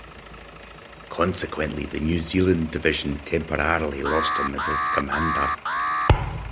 Consequently, the New Zealand Division temporarily lost him as its commander.